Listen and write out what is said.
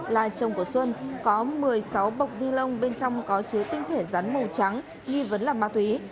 là chồng của xuân có một mươi sáu bọc đi lông bên trong có chứa tinh thể rắn màu trắng nghi vấn là ma túy